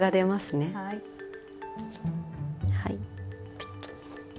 ピッと。